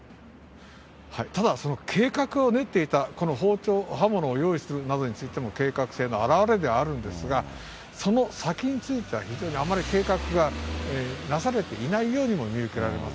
ただ、その計画を練っていた、この包丁、刃物を用意するなどについても、計画性の表れではあるんですが、その先については、非常に、あまり計画がなされていないようにも見受けられます。